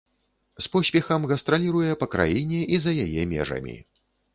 З поспехам гастраліруе па краіне і за яе межамі.